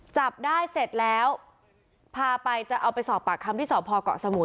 จับได้เสร็จแล้วพาไปจะเอาไปสอบปากคำที่สพเกาะสมุย